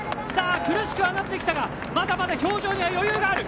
苦しくはなってきたがまだまだ表情には余裕がある。